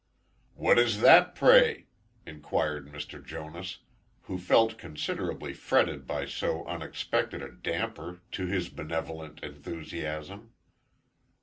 "What is that pray?" inquired Mr. Jonas, who felt considerably fretted by so unexpected a damper to his benevolent enthusiasm.